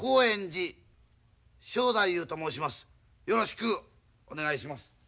よろしくお願いします。